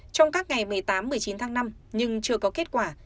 trong các ngày một mươi tám một mươi chín tháng năm nhưng chưa có kết quả